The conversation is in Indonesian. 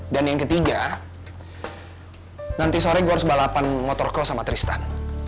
dan yang ketiga nanti sore gue harus balapan motor course sama tristan